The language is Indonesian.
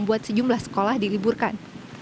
membuat sejumlah sekolah diliburkan